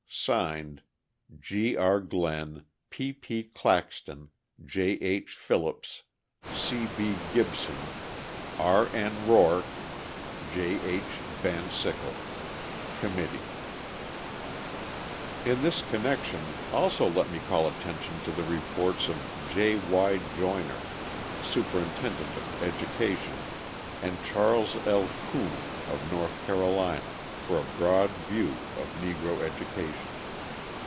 (Signed) G. R. GLENN, P. P. CLAXTON, J. H. PHILLIPS, C. B. GIBSON, R. N. ROARK, J. H. VAN SICKLE, Committee. In this connection also let me call attention to the reports of J. Y. Joyner, Superintendent of Education, and Charles L. Coon of North Carolina, for a broad view of Negro education.